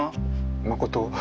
誠。